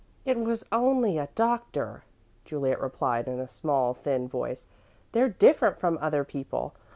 "It was only a doctor," Juliet replied, in a small, thin voice. "They're different from other people.